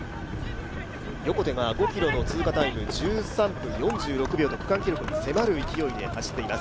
横手が５ｋｍまでの通過タイム１３分４１秒と区間記録に迫る勢いで走っています。